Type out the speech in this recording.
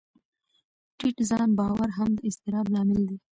ټیټ ځان باور هم د اضطراب لامل دی.